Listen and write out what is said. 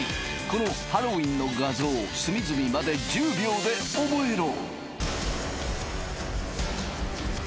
このハロウィンの画像隅々まで１０秒でオボエロ！